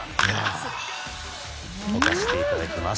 置かせていただきます。